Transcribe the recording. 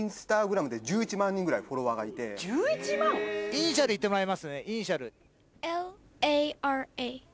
イニシャルで言ってもらいますね。